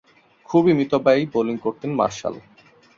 খুবই মিতব্যয়ী বোলিং করতেন মার্শাল।